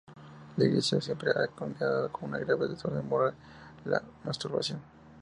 La Iglesia siempre ha condenado como un grave desorden moral la masturbación.